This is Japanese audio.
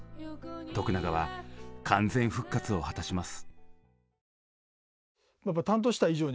永は完全復活を果たします。